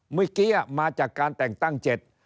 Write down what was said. เมื่อกี้มาจากการแต่งตั้งเจ็ด